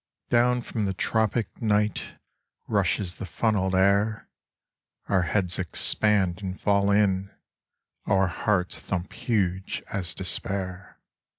"Down from the tropic night Rushes the funnelled air; Our heads expand and fall in; Our hearts thump huge as despair.